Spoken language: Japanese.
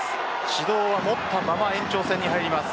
指導は持ったまま延長戦に入ります。